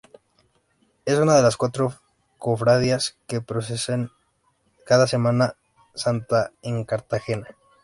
Es una de las cuatro cofradías que procesionan cada Semana Santa en Cartagena.